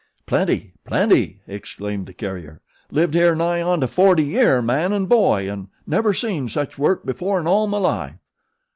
"Plenty! Plenty!" exclaimed the carrier. "Lived here nigh onto forty year, man an' boy, an' never seen such work before in all my life."